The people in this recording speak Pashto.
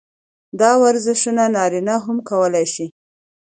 دا ورزشونه نارينه هم کولے شي -